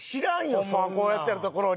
ホンマはこうやってるところに。